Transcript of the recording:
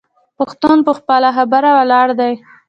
پښتون په خپله خبره ولاړ دی.